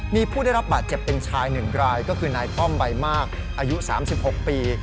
มีผู้ได้รับบาดเจ็บเป็นชาย๑รายก็คือนายค่อมใบมากอายุ๓๖ปี